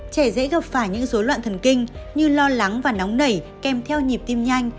trẻ dễ gặp phải những dối loạn thần kinh như lo lắng và nóng nảy nhịp tim nhanh